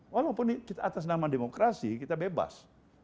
walaupun atas nama demokrasi kita bebas